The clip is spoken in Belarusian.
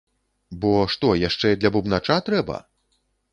Бо што яшчэ для бубнача трэба?